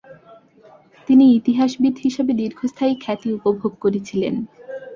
তিনি ইতিহাসবিদ হিসাবে দীর্ঘস্থায়ী খ্যাতি উপভোগ করেছিলেন।